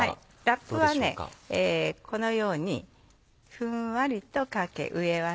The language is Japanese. ラップはこのようにふんわりとかけ上は。